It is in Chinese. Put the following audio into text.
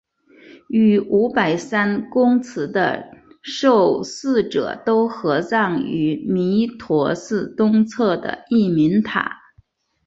与五百三公祠的受祀者都合葬于弥陀寺东侧的义民塔。